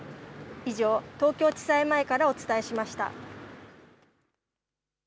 以上、東京地裁前からお伝えしました。